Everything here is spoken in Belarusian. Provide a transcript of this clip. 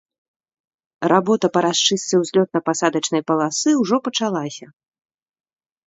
Работа па расчыстцы ўзлётна-пасадачнай паласы ўжо пачалася.